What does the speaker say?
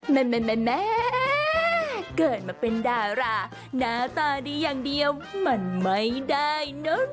แม่แม่แม่แม่เกิดมาเป็นดาราหน้าตาดีอย่างเดียวมันไม่ได้